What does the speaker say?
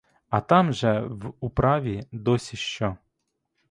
А там же в управі досі що!